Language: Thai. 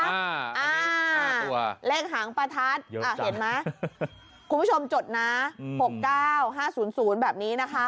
อ่าตัวเลขหางประทัดเห็นไหมคุณผู้ชมจดนะ๖๙๕๐๐แบบนี้นะคะ